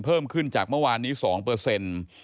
เพิ่มขึ้นจากเมื่อวานนี้๒เปอร์เซ็นต์